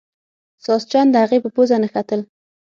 ساسچن د هغې په پوزه نښتل.